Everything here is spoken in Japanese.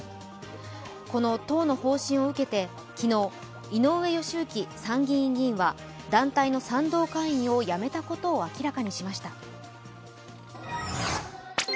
この党の方針を受けて昨日、井上義行参議院議員は団体の賛同会員を辞めたことを明らかにしました。